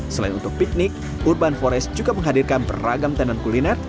selain untuk piknik urban forest juga menghadirkan beragam tenan kuliner